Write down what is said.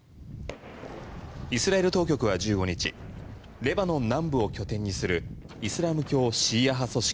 イスラエル当局は１５日レバノン南部を拠点にするイスラム教シーア派組織